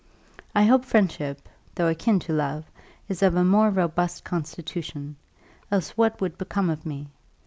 I hope friendship, though akin to love, is of a more robust constitution, else what would become of me?